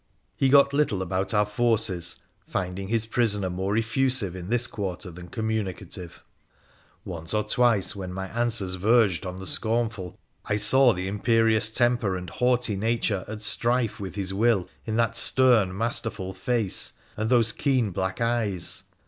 He got little about our forces, finding his prisoner more effusive in this quarter than communicative. Once or 2 20 WONDERFUL ADVENTURES OF twice, when my answers verged on the scornful, I saw the imperious temper and haughty nature at strife with his will in that stern, masterful face and those keen black eyes.